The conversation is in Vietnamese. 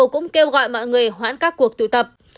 cũng kêu gọi mọi người hoãn các cuộc tụ tập